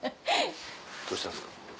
どうしたんですか？